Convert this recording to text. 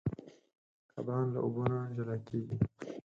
کبان له اوبو نه جلا کېږي.